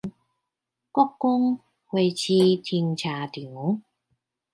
國光花市停車場